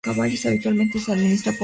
Habitualmente se administra por vía oral.